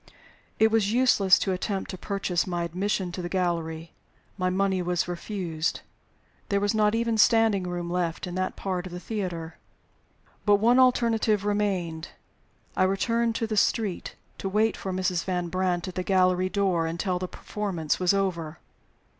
It was useless to attempt to purchase my admission to the gallery. My money was refused. There was not even standing room left in that part of the theater. But one alternative remained. I returned to the street, to wait for Mrs. Van Brandt at the gallery door until the performance was over.